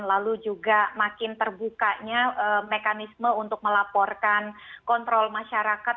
lalu juga makin terbukanya mekanisme untuk melaporkan kontrol masyarakat